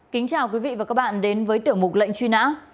kính chào quý vị và các bạn đến với tiểu mục lệnh truy nã